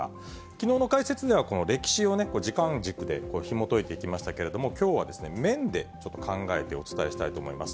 きのうの解説では、この歴史を、時間軸でひもといてきましたけれども、きょうは面でちょっと考えてお伝えしたいと思います。